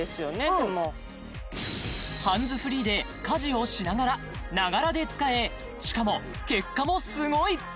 でもハンズフリーで家事をしながらながらで使えしかも結果もすごい！